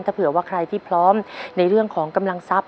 ถ้าเผื่อว่าใครที่พร้อมในเรื่องของกำลังทรัพย